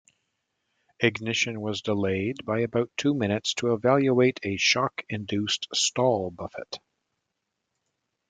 Ignition was delayed by about two minutes to evaluate a shock-induced stall buffet.